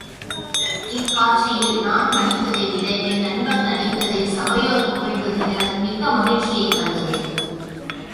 இக் காட்சியில் நான் நடித்ததைவிட என் நண்பர் நடித்ததைச் சபையோர் புகழ்ந்தது எனக்கு மிக்க மகிழ்ச்சியைத் தந்தது.